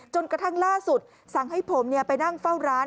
กระทั่งล่าสุดสั่งให้ผมไปนั่งเฝ้าร้าน